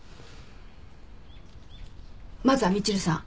まずはみちるさん。